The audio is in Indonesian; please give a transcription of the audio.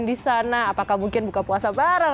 bisa nah apakah mungkin buka puasa bareng